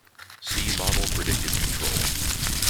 See Model predictive control.